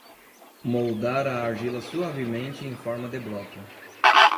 Moldar a argila suavemente em forma de bloco.